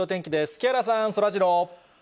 木原さん、そらジロー。